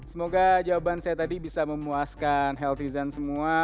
semoga jawaban saya tadi bisa memuaskan health reason semua